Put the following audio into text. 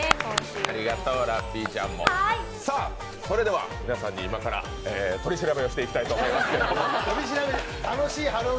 それでは皆さんに今から取り調べをしていきたいと思いますけども。